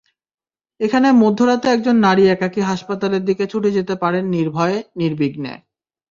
এখানে মধ্যরাতে একজন নারী একাকী হাসপাতালের দিকে ছুটে যেতে পারেন নির্ভয়ে, নির্বিঘ্নে।